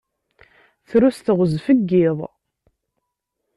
Tru s teɣzef n yiḍ.